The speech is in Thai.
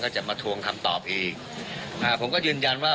จะมาทวงคำตอบอีกอ่าผมก็ยืนยันว่า